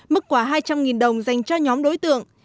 mức quà hai trăm linh đồng dành cho nhóm đối tượng